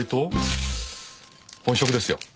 本職ですよ。